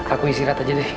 aku isi rat aja deh